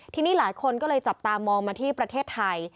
ทีนี้หลายคนก็เลยจับตามองมาที่ประเทศไทย